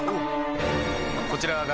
こちら。